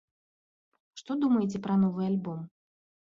Што думаеце пра новы альбом?